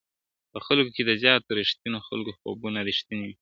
په خلکو کي د زياتو رښتينو خلکو خوبونه رښتيني وي.